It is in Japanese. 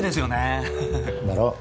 だろ。